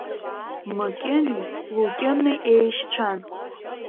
Мыкьыни Лукьыни еишьцәан.